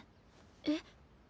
えっ？